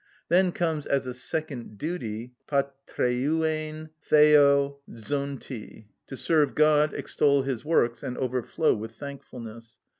Then comes, as a second duty, λατρευειν θεῳ ζωντι, to serve God, extol His works, and overflow with thankfulness.